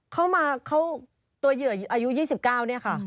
เข้ามาเข้าตัวเหยื่ออายุ๒๙เนี่ยค่ะ